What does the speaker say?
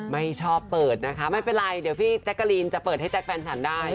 ไม่ชอบเปิดนะคะไม่เป็นไรเดี๋ยวพี่แจ๊กกะลีนจะเปิดให้แจ๊คแฟนฉันได้